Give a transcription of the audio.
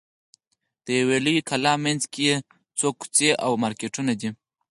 د یوې لویې کلا منځ کې یو څو کوڅې او مارکېټونه دي.